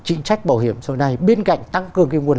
chính trách bảo hiểm xã hội này bên cạnh tăng cường cái nguồn